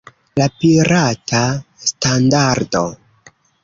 La pirata standardo!